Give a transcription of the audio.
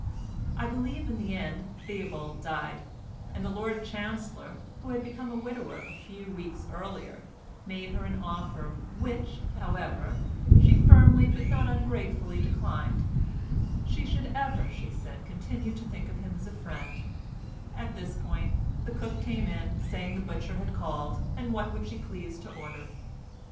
I believe in the end Theobald died, and the Lord Chancellor (who had become a widower a few weeks earlier) made her an offer, which, however, she firmly but not ungratefully declined; she should ever, she said, continue to think of him as a friend—at this point the cook came in, saying the butcher had called, and what would she please to order.